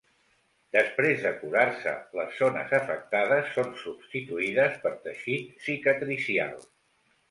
Després de curar-se, les zones afectades són substituïdes per teixit cicatricial.